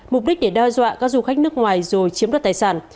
mục đích để đe dọa các du khách nước ngoài rồi chiếm đoạt tài sản